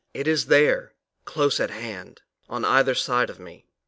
It is there close at hand on either side of me.